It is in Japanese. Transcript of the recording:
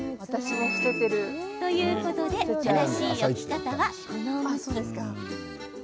ということで正しい置き方は、この向き。